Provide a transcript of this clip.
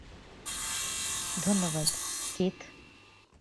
ধন্যবাদ, কিথ।